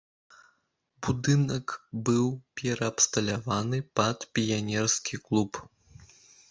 Будынак быў пераабсталяваны пад піянерскі клуб.